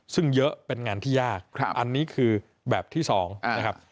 ซึ่งเยอะเป็นงานที่ยากอันนี้คือแบบที่๒นะครับ